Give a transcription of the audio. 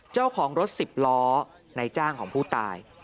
เจ้าของรถสิบล้อในจ้างของผู้ตาย